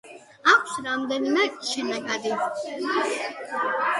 აქვს რამდენიმე შენაკადი.